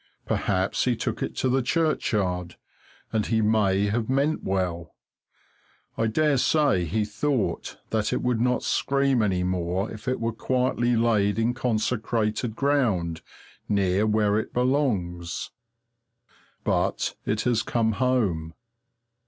Perhaps he took it to the churchyard, and he may have meant well. I daresay he thought that it would not scream any more if it were quietly laid in consecrated ground, near where it belongs. But it has come home.